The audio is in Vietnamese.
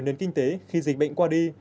nên kinh tế khi dịch bệnh qua đi